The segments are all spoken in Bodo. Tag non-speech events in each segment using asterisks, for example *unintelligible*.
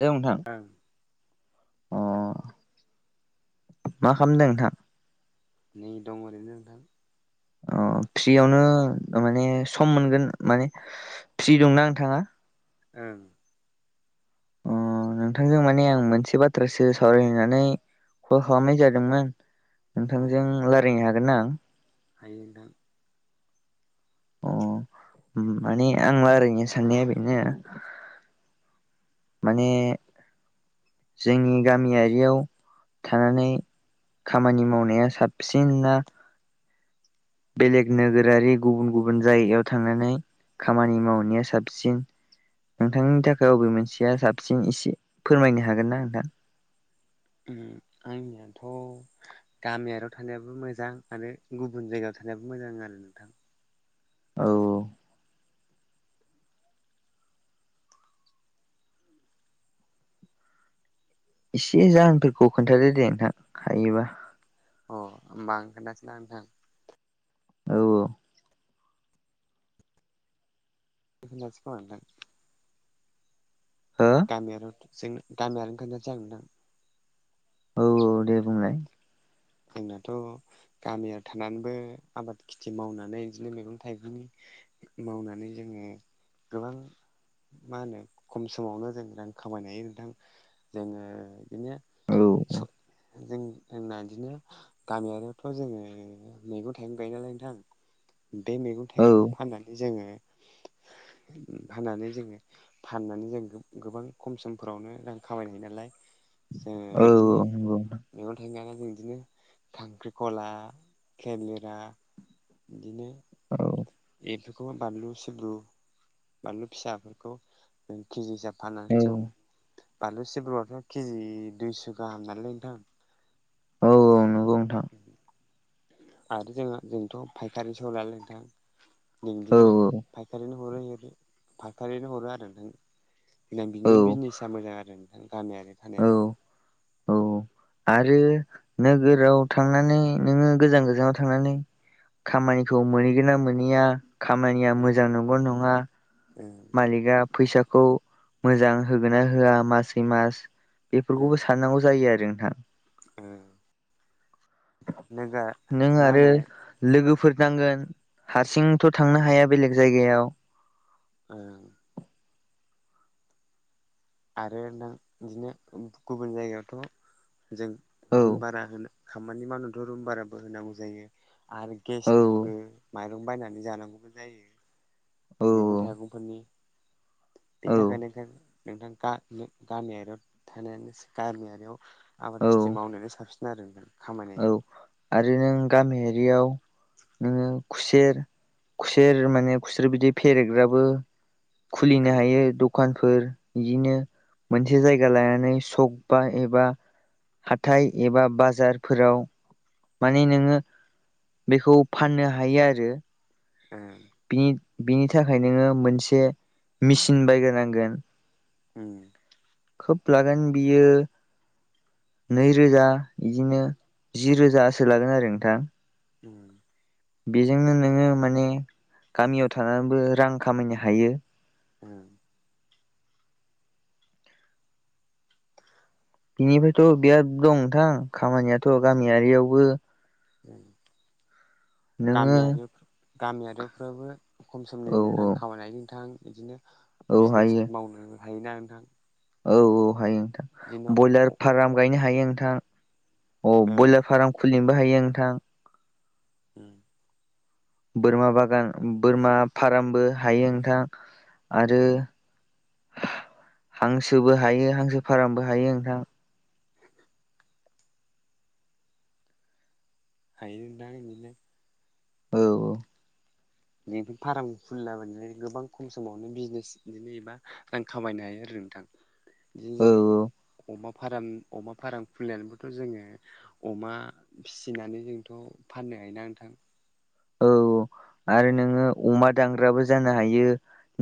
औ नोंथां ओं अ मा खालामदों नोंथां। नै दं ओरैनो नोंथां। अ फ्रियावनो माने सम मोनगोन माने फ्रि दंना नोंथाङा? ओं अ नोंथांजों माने आं मोनसे बाथ्रासो सावरायनो होननानै कल खालामनाय जादोंमोन अ नोंथांजों रायलायनो हागोनना आं। हायो नोंथां। अ माने आं लायरायनो साननाया बेनो। माने जोंनि गामियारियाव थानानै खामानि मावनाया साबसिन ना बेलेग नोगोरारि गुबुन गुबुन जायगायाव थांनानै खामानि मावनाया साबसिन? नोंथांनि थाखाय अबे मोनसेया साबसिन एसे फोरमायनो हागोन ना नोंथां? उम आंनियाथ' गामियारियाव थानायाबो मोजां आरो गुबुन जायगायाव थानायाबो मोजां आरो नोंथां। औ इसे जाहोनफोरखौ खोन्थादो दे नोंथां हायोबा। अ होमबा आं खोन्थासै ना नोंथां औ औ खोनथानोसै खोमा नोंथां। हो गामियारत जों गामियारिखौनो खोन्थानोसै आं नोंथां। औ औ दे बुंलाय जोंनाथ' गामियाव थानानैबो आबाद खेथि मावनानै बिदिनो मैगं थाइगंनि मावनानै जोङो गोबां मा होनो खम समावनो जों रां खामायनो हायो नोंथां जोङो बिदिनो औ स जों होननानै बिदिनो गामियारियावथ' जोङो मैगं थाइगं गायनायालाय नोंथां बे मैगं औ थाइगंखौ फाननानै जोङो *inaudible* फानानै जोङो फाननानै जों गोबां खम समफोरावनो रां खामायनो हायो नालाय। औ औ नंगौ जोंङो बिदिनो बिदिनो खांख्रिखला खेलिरा बिदिनो औ एथखौ बानलु सिबुरु बानलु फिसाफोरखौ जों केजि हिसाब फानानै औ जों बानलु सिब्रुआथ' केजि दुइस' गाहाम नालाय नोंथां औ नंगौ नोंथां बे आरो जोंहा जोंथ' फायखारि सो हरो नालाय नोंथां औ बिदिनो फायखारि हरै हरै फायखारिनो हरो आरो नोंथां औ बिनि बिजनेसा मोजां आरो गामियानो औ थानायानो औ आरो नोगोराव थांनानै नोङो गोजान गोजानाव थांनानै खामानिखौ मोनहैगोन ना मोनहैया खामानिया मोजां नंगौ नङा औ मालिका फैसाखौ मोजां होगोना होआ मासै मास बेफोरखौबो साननांगौ जायो आरो नोंथां। लोगोआ नों मा आरो होनो लोगोफोर नांगोन हारसिंथ' थांनो हाया बेलेग जायगायाव ओ आरो नां बिदिनो गुबुन जायगायावथ' जों औ रुम भारा होनो खामानि मावनोथ' रुम भाराबो होनांगौ जायो आरो औ गेसनिबो मा दुं बायनानै जानांगौबो जायो। औ मैगं थाइगंफोरनि औ बेनि थाखाय खायफा नोंथां गा गामियारियाव थानायानोस गामियारियाव आबाद खिथि मावनायानो साबसिन आरो नोंथां खामायनाया औ आरो नों गामियारियाव नोङो खुसेर खुसेर माने खुसेर बिदि फेरेग्राबो ओ खुलिनो हायो। दखानफोर बिदिनो मोनसे जायगा लानानै सक बा एबा हाथाय एबा बाजार फोराव माने नोङो बेखौ फाननो हायो आरो। उम नि बिनि थाखाय नोङो मोनसे मेचिन बायग्रोनांगोन। ओम खोब लागोन बियो नै रोजा बिदिनो जि रोजासो लागोन आरो नोंथां। उम बेजोंनो नोङो माने गामियाव थानानैबो रां खामायनो हायो। उम बिनिफ्रायथ' बिराद दं नोंथां खामानियाथ' गामियारियावबो ओ नोङो गामियारि गामियारिफ्राबो खम औ समनिनो रां खामायनानै नोंथां बिदिनो औ हायो बिजनेसफोर मावनो हायोना नोंथां। औ औ हायो नोंथां। बिदिनो ब्रयलार ओ फार्म गायनो हायो नोंथां अ ब्रयलार उम फार्म खुलिनोबो हायो नोंथां। उम बोरमा बागान बोरमा फारामबो हायो नोंथां आरो। हांसोबो हायो हांसो फारामबो हायो नोंथां। हायो नोंथां बिदिनो औ जि फार्म खुलिला बायदिनो गोबां खम समावनो बिजनेस बिदिनो एबा रां खामायनो हायो आरो नोंथां। बिदि औ जों अमा फारम अमा फार्म खुलिनानैबोथ' जोङो अमा फिसिनानै जोंथ' फाननो हायो ना नोंथां। औ आरो नोङो अमा दानग्राबो जानो हायो।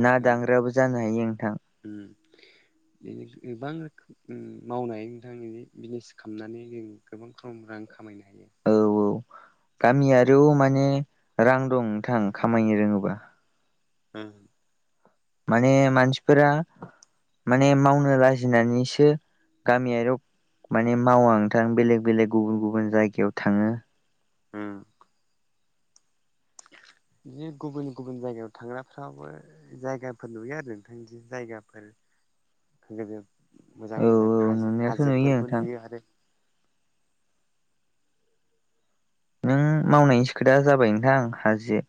ना ओं दांग्रायाबो जानो हायो नोंथां। उम बिनो गोबां रोखोम मावनाय नोंथां बि बिजनेस खालामनानै जों गोबां खम रां खामायनो हायो। औ औ गामियारियाव माने रां दं नोंथां खामायनो रोङोबा। उम माने मानसिफोरा माने मावनो लाजिनानैसो गामियाव माने मावा नोंथां बेलेग बेलेग गुबुन गुबुन जायगायाव थाङो। उम। बिदिनो गुबुन गुबुन जायगायाव थांग्राफ्राबो जायगाफोर नुयो आरो नोंथां जायगाफोर *unintelligible* मोजां औ मोजां औ हाजो नुनायाथ' हाजोफोरबो नोंथां नुयो आरो। नों मावनायनिसो खोथा जाबाय नोंथां हाजे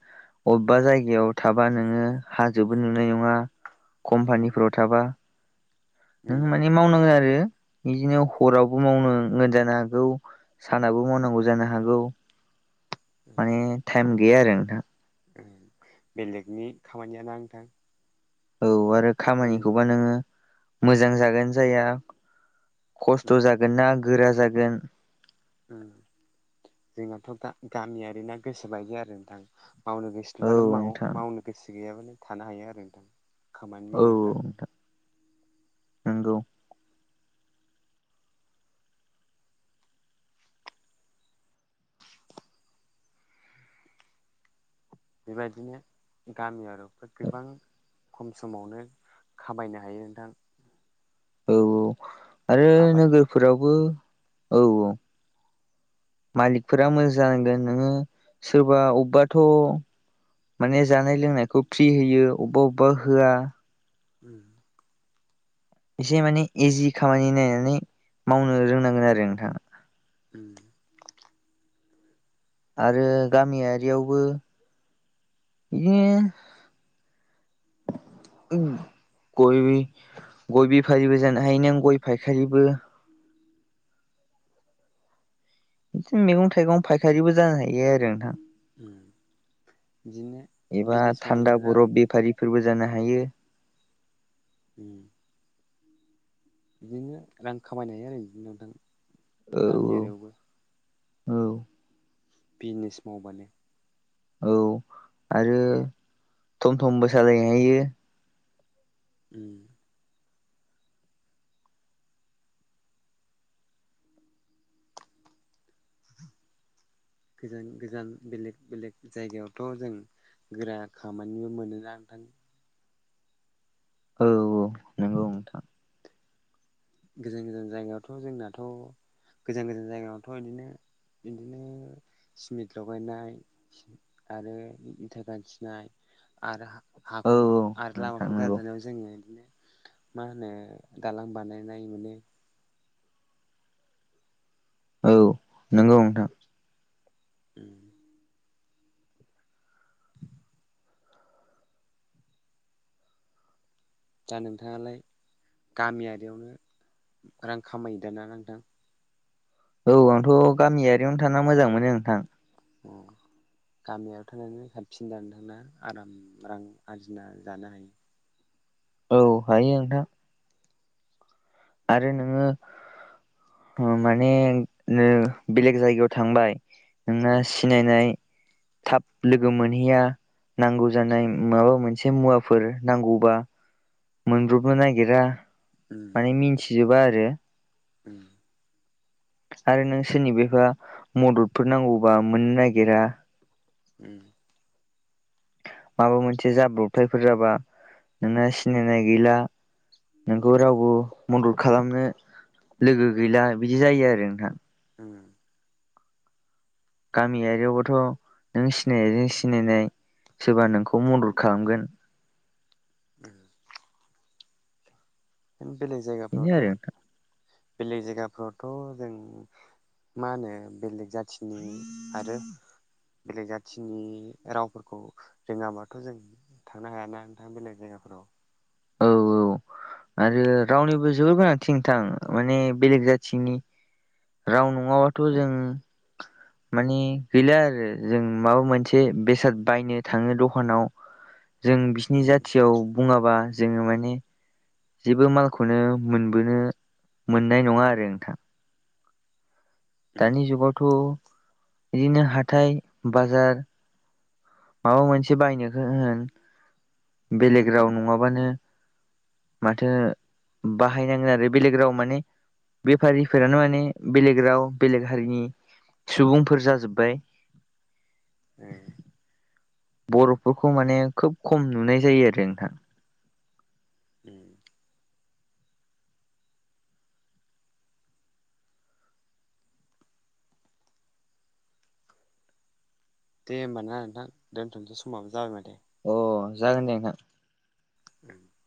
अबेबा जायगायाव थाबा नोङो हाजोबो नुनाय नङा कम्पानिफोराव थाबा नों उम माने मावनांगौ आरो बिदिनो हरावबो मावनांगोन जानो हागौ। सानाबो मावनांगौ जानो हागौ। उम माने टाइम गैया आरो नोंथां। बेलेगनि खामानियाना नोंथां औ आरो जोंनि खामानिखौबा नोङो मोजां जागोन जाया। खस्थ' उम जागोन ना गोरा जागोन उम जोंनाथ' दा गामियारि ना गोसो बायदि आरो नोंथां मावनो गोसो औ बानो माव नोंथां मावनो गोसो गैयाबानो थानो हायो आरो नोंथां खामानि औ मावनायफ्रा नंगौ बेबायदिनो गामिरिफोराव गोबां खम समावनो खामायनो हायो नोंथां। औ औ आरो आबाद नोगोरफोरावबो औ औ मालिकफोरा मोजां जानांगोन नोङो सोरबा अबावबाथ' माने जानाय लोंनायखौ फ्रि होयो अबेबा अबेबा होया उम एसे माने इजि खामानि नायनानै मावनो रोंनांगोन आरो नोंथां। उम आरो गामियारियावबो बिदिनो *unintelligible* गय बेफारिबो जानो हायो नों गय फायखारिबो बिदिनो मैगं थाइगं फायखारिबो जानो हायो आरो नोंथां। उम बिदिनो एबा बिजनेस थान्दा मावनानै रां बरफ बेफारिफोरबो जानो हायो। उम बिदिनो रां खामायनो हायो आरो इदिनो नोंथां औ गामियारियावबो। औ बिजिनेस मावबानो औ आरो थम थमबो सालायनो हायो। उम गोजान गोजान बेलेग बेलेग जायगायावथ' जों गोरा खामानिबो मोनोना नोंथां। औ औ नंगौ नोंथां। गोजान गोजान जायगायावथ' जोंनाथ' गोजान गोजान जायगायावथ' इदिनो बिदिनो सिमेन्ट लगायनाय आरो इथा गाथिनाय आरो हा औ खर औ आरो नोंथां लामाफोर नंगौ गारजानायाव जोङो इदिनो मा होनो दालां बानाय नाय मोनो। औ नंगौ नोंथां। उम *inaudible* दा नोंथाङालाय गामियारियावनो रां खामायदोना नोंथां? औ आंथ' गामियारियावनो थाना मोजां मोनो नोंथां। औ गामियाव थानानै साबसिनदां नोंथांना आराम रां आरजिना जानो हायो। औ हायो नोंथां। आरो नोङो ओ माने ओ बेलेग जायगायाव थांबाय नोंना ओ सिनायनाय थाब लोगो मोनहैया नांगौ जानाय माबा मोनसे मुवाफोर नांगौबा मोनब्रबनो नागिरा उम माने मिथिनजोबा आरो। उम आरो नों सोरनिबेबा मददफोर नांगौबा मोननो नागिरा। उम माबा मोनसे जाब्रबथायफोर जाबा नोंना सिनायनाय गैला। नोंखौ रावबो उम मदद खालामनो लोगो गैला बिदि जायो आरो नोंथां। उम गामियारियावबाथ' नों सिनायनायजों सिनायनाय सोरबा नोंखौ मदद खालामगोन। *unintelligible* नों बेलेग बेनो जायगाफ्रावथ' आरो नोंथां बेलेग जायगाफ्रावथ' जों मा होनो बेलेग जाथिनि आरो बेलेग जाथिनि रावफोरखौ रोङाबाथ' जों थांनो हायाना नोंथां बेलेग जायगाफोराव औ औ आरो रावनिबो जोबोर गोनांथिं नोंथां माने बेलेग जाथिनि राव नङाबाथ' जों माने गैला आरो जों माबा मोनसे बेसाद बायनो थाङो दखानाव जों बिसिनि उम जाथियाव बुङाबा जोङो माने जेबो मालखौनो मोनबोनो मोननाय नङा आरो नोंथां। उम दानि जुगावथ' इदिनो हाथाय बाजार माबा मोनसे बायनोखो होन बेलेग राव नङाबानो माथो बाहायनांगोन आरो बेलेग राव माने बेफारिफोरानो माने बेलेग राव बेलेग हारिनि सुबुंफोर जाजोब्बाय। ओं। बर'फोरखौ माने खोब खम नुनाय जायो आरो नोंथां उम दे होमबाना नोंथां दोनथ'नोसै समाबो जाबाय माथो। अ जागोन दे नोंथां *unintelligible*